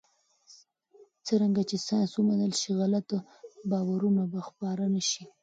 څرنګه چې ساینس ومنل شي، غلط باورونه به خپاره نه شي.